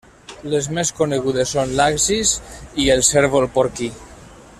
Les més conegudes són l'axis i el cérvol porquí.